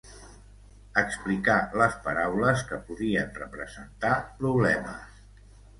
explicar les paraules que podien representar problemes